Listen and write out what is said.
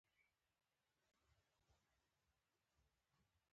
وژنه د خلکو باور وژني